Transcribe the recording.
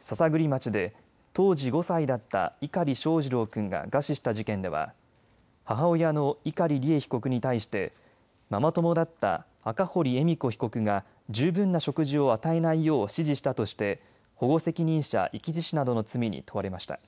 篠栗町で当時５歳だった碇翔士郎君が餓死した事件では母親の碇利恵被告に対してママ友だった赤堀恵美子被告が十分な食事を与えないよう指示したとして保護責任者遺棄致死などの罪に問われました。